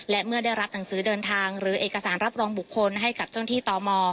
และเมื่อได้รับหนังสือเดินทางหรือเอกสารรับรองบุคคลให้กับเจ้าหน้าที่ตม